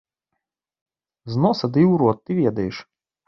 З носа ды ў рот ты ведаеш!